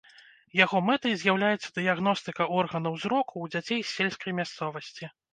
Яго мэтай з'яўляецца дыягностыка органаў зроку ў дзяцей з сельскай мясцовасці.